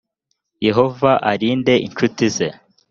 yehova arinda incuti ze